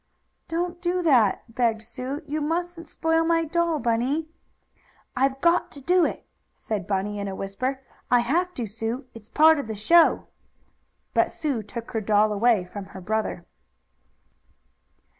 "Don't do that!" begged Sue. "You mustn't spoil my doll, Bunny!" "I've got to do it," said Bunny in a whisper. "I have to, Sue, it's part of the show." But Sue took her doll away from her brother.